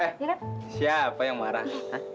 eh siapa yang marah